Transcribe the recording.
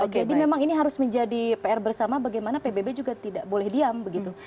jadi memang ini harus menjadi pr bersama bagaimana pbb juga tidak boleh diam begitu